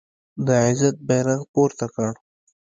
د عزت بیرغ پورته کړ